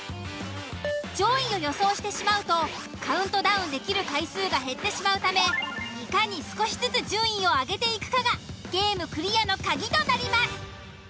上位を予想してしまうとカウントダウンできる回数が減ってしまうためいかに少しずつ順位を上げていくかがゲームクリアのカギとなります。